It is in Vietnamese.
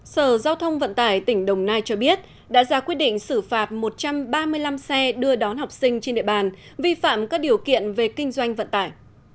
sở giao thông vận tải tỉnh đồng nai cho biết đã ra quyết định xử phạt một trăm ba mươi năm xe đưa đón học sinh trên địa bàn vi phạm các điều kiện về kinh doanh vận tải